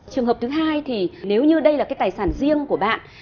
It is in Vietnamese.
trường hợp thứ hai thì nếu như đây là cái tài sản riêng của bạn